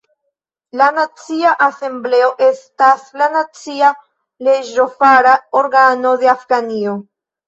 La Nacia Asembleo estas la nacia leĝofara organo de Afganio.